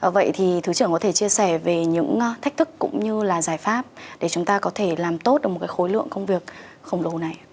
vậy thì thứ trưởng có thể chia sẻ về những thách thức cũng như là giải pháp để chúng ta có thể làm tốt được một cái khối lượng công việc khổng lồ này